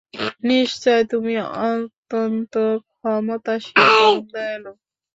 নিশ্চয় তুমি অত্যন্ত ক্ষমাশীল, পরম দয়ালু।